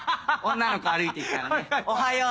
女の子歩いてきたらね「おはよう！」